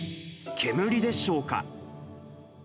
煙でしょうか。